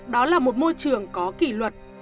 đó là một môi trường có kỷ luật